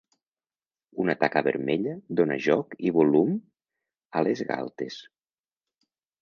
Una taca vermella dóna joc i volum a les galtes.